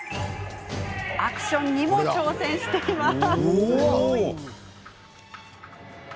アクションにも挑戦しています。